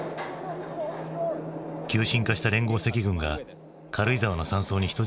急進化した連合赤軍が軽井沢の山荘に人質をとって籠城。